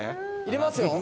「入れますよ」